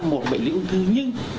một bệnh lý ung thư nhưng